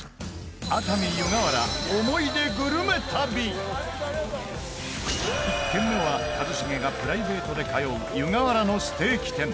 熱海・湯河原、思い出グルメ旅１軒目は、一茂がプライベートで通う湯河原のステーキ店